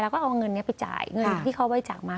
ก็เอาเงินนี้ไปจ่ายเงินที่เขาบริจาคมา